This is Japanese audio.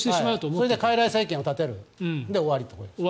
それでかいらい政権を立てるで、終わりと。